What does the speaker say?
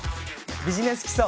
ビジネス基礎。